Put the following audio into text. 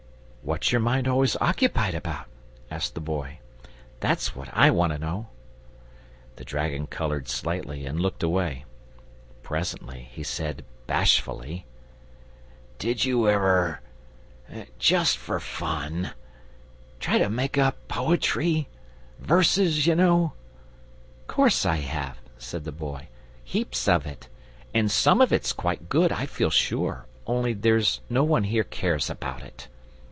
"What's your mind always occupied about?" asked the Boy. "That's what I want to know." The dragon coloured slightly and looked away. Presently he said bashfully: "Did you ever just for fun try to make up poetry verses, you know?" "'Course I have," said the Boy. "Heaps of it. And some of it's quite good, I feel sure, only there's no one here cares about it.